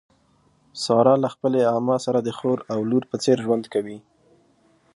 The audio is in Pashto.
ساره له خپلې عمه سره د خور او لور په څېر ژوند کوي.